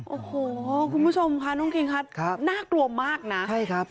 โอ้โหคุณผู้ชมค่ะน้องคิงครับน่ากลัวมากนะใช่ครับ